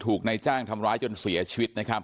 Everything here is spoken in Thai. ทุกในจ้างทำร้ายจนเสียชวิต